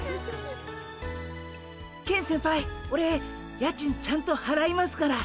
ケン先輩オレ家賃ちゃんとはらいますから。